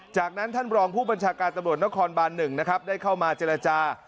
จากนั้นท่านรองผู้บัญชาการตำรวจนครบาน๑นะครับได้เข้ามาเจรจา